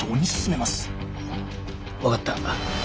分かった。